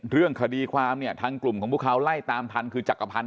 เรื่องคดีความเนี่ยทางกลุ่มของพวกเขาไล่ตามทันคือจักรพันธ